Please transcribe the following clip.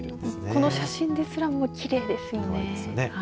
この写真ですらもきれいですね。